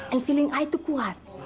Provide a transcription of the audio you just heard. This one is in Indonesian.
and feeling i tuh kuat